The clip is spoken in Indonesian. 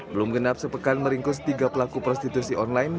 belum genap sepekan meringkus tiga pelaku prostitusi online